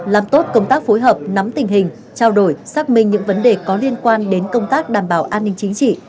làm tốt công tác phối hợp nắm tình hình trao đổi xác minh những vấn đề có liên quan đến công tác đảm bảo an ninh chính trị